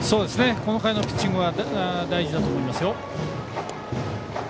この回のピッチングは大事だと思いますよ。